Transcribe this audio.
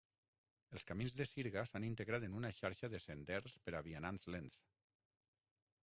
Els camins de sirga s'han integrat en una xarxa de senders per a vianants lents.